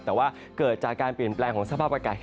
แต่ว่าเกิดจากการเปลี่ยนแปลงของสภาพอากาศ